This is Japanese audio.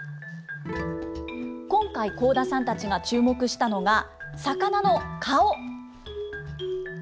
今回、幸田さんたちが注目したのが、魚の顔。